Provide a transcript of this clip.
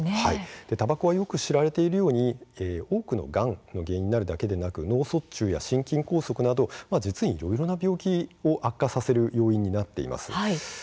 たばこはよく知られているように多くのがんの原因になるだけではなく脳卒中や心筋梗塞など実にいろいろな病気を悪化させる要因になっています。